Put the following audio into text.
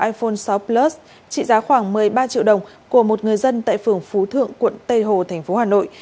iphone sáu plus trị giá khoảng một mươi ba triệu đồng của một người dân tại phường phú thượng quận tây hồ thành phố hà nội